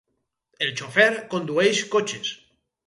El xofer condueix cotxes.